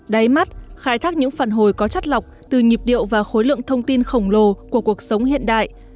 đáy mắt khai thác những phản hồi có chất lọc từ nhịp điệu và khối lượng thông tin khổng lồ của cuộc sống hiện đại